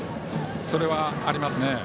それはありますね。